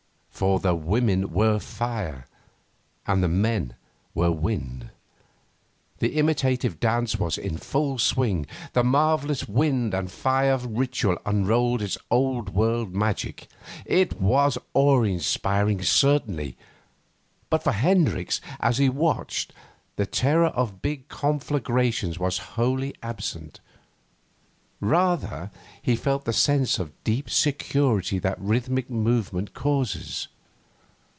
For the women were fire, and the men were wind. The imitative dance was in full swing. The marvellous wind and fire ritual unrolled its old world magic. It was awe inspiring certainly, but for Hendricks, as he watched, the terror of big conflagrations was wholly absent: rather, he felt the sense of deep security that rhythmic movement causes.